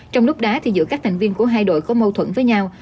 trong lúc đá thì giữa các thành viên của hai đội có mâu thuẫn với nhau